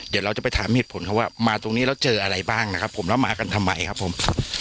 เดี๋ยวเราจะไปถามเหตุผลเขาว่ามาตรงนี้แล้วเจออะไรบ้างนะครับผมแล้วมากันทำไมครับผม